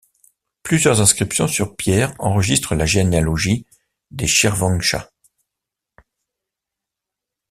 Plusieurs inscriptions sur pierre enregistrent la généalogie des Chirvanchahs.